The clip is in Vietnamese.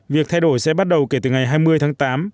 việc thay đổi sẽ bắt đầu kể từ ngày hai mươi tháng tám